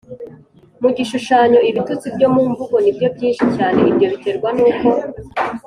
mu gishushanyo lbitutsi byo mu mvugo ni byo byinshi cyane; ibyo biterwa n'uko